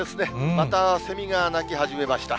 また、セミが鳴き始めました。